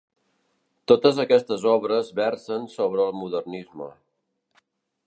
Totes aquestes obres versen sobre el modernisme.